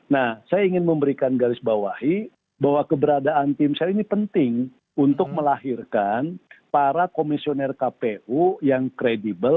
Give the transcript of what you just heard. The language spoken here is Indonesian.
nah saya ingin memberikan garis bawahi bahwa keberadaan tim sel ini penting untuk melahirkan para komisioner kpu yang kredibel